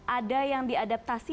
ada yang diadaptasi